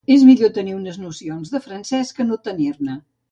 És millor tenir unes nocions de francès que no tenir-ne.